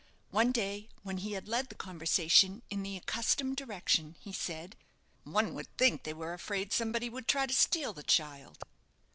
One day, when he had led the conversation in the accustomed direction, he said: "One would think they were afraid somebody would try to steal the child."